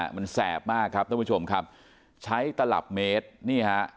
มันแสบมากครับท่านผู้ชมครับใช้ตลับเมตรนี่ฮะ